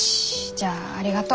じゃあありがと。